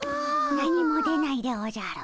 何も出ないでおじゃる。